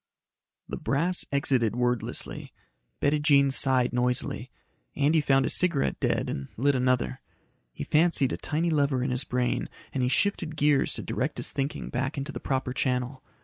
The brass exited wordlessly. Bettijean sighed noisily. Andy found his cigarette dead and lit another. He fancied a tiny lever in his brain and he shifted gears to direct his thinking back into the proper channel.